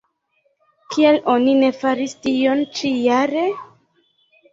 Kial oni ne faris tion ĉi-jare?